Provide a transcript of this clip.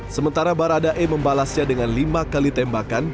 sementara baradae membalasnya dengan lima kali tembakan